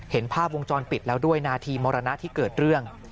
เห็นภาพวงจรปิดแล้วด้วยนาทีมรณะที่เกิดเรื่อง